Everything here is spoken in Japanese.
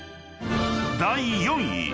［第４位］